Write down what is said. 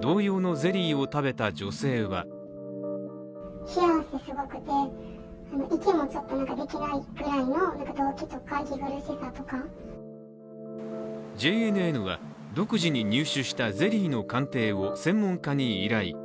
同様のゼリーを食べた女性はＪＮＮは独自に入手したゼリーの鑑定を専門家に依頼。